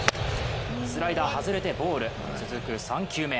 スライダーが外れてボール続く３球目。